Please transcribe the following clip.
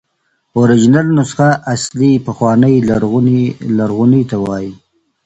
اوریجنل نسخه اصلي، پخوانۍ، لرغوني ته وایي.